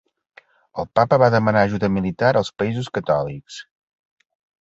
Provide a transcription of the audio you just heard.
El Papa va demanar ajuda militar als països catòlics.